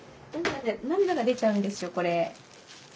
涙で涙が出ちゃうんですよこれ。